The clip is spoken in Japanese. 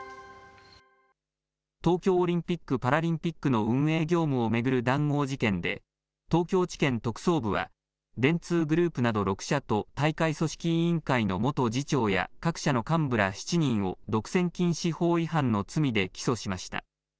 東京オリンピック・パラリンピックの運営業務を巡る談合事件で、東京地検特捜部は、電通グループなど６社と、大会組織委員会の元次長や各社の幹部ら７人を、独占禁止法違反の罪で起訴しました。